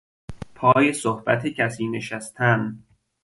پا صحبت کسی نشستن